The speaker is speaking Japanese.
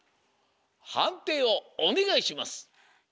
はんていをおねがいします。